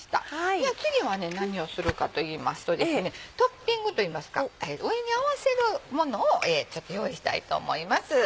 じゃあ次は何をするかといいますとですねトッピングといいますか上に合わせるものを用意したいと思います。